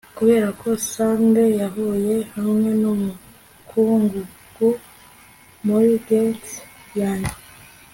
kuberako, sunday yahuye, hamwe numukungugu muri gants yanjye